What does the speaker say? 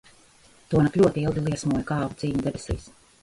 Tonakt ļoti ilgi liesmoja kāvu cīņa debesīs.